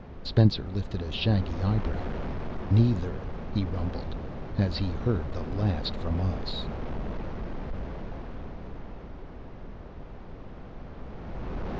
Spencer lifted a shaggy eyebrow. "Neither," he rumbled, "has he heard the last from us."